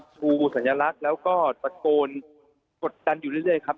ชูสัญลักษณ์แล้วก็ตะโกนกดดันอยู่เรื่อยครับ